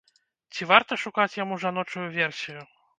Ці варта шукаць яму жаночую версію?